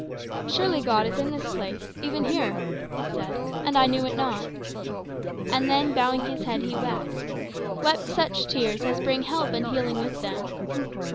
"Surely God is in this place even here," he said, "and I knew it not." And then, bowing his head, he wept wept such tears as bring help and healing with them.